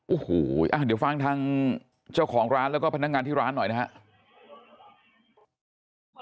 โอ้โหเดี๋ยวฟังทางเจ้าของร้านแล้วก็พนักงานที่ร้านหน่อยนะครับ